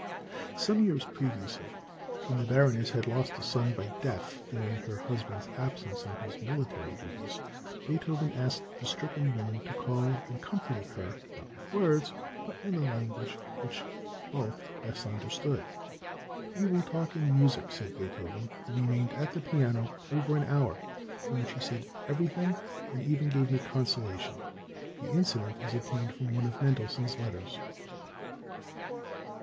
Some years previously, when the Baroness had lost a son by death during her husband's absence on his military duties, Beethoven asked the stricken woman to call, and comforted her, not with words, but in the language which both best understood. "'We will talk in music,' said Beethoven, who remained at the piano over an hour in which he said everything and even gave me consolation." The incident is obtained from one of Mendelssohn's letters.